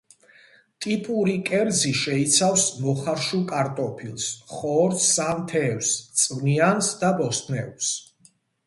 ტიპური კერძი შეიცავს მოხარშულ კარტოფილს, ხორცს ან თევზს, წვნიანს და ბოსტნეულს.